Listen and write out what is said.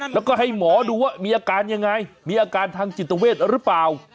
แล้วก็ให้หมอดูว่ามีอาการยังไงมีอาการทางจิตเวทหรือเปล่า